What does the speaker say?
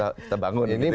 kita bangun gitu ya